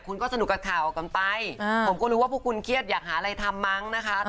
คุณก็สนุกกับข่าวกันไปผมก็รู้ว่าพวกคุณเครียดอยากหาอะไรทำมั้งนะคะ